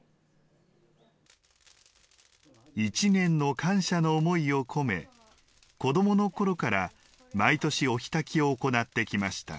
１年の感謝の思いを込め子どもの頃から毎年お火焚きを行ってきました。